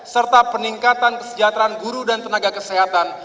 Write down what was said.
serta peningkatan kesejahteraan guru dan tenaga kesehatan